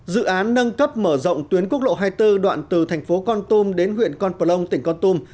dự án nâng cấp mở rộng tuyến quốc lộ hai mươi bốn đoạn từ thành phố con tum đến huyện con plong tỉnh con tum